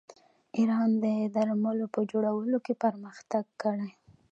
ایران د درملو په جوړولو کې پرمختګ کړی.